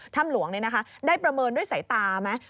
ถ้ำหลวงได้ประเมินด้วยสายตาไหม